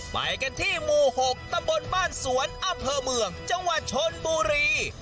ไปกันที่หมู่๖ตำบลบ้านสวนอำเภอเมืองจังหวัดชนบุรี